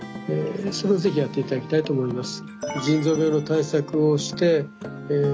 それを是非やっていただきたいと思います。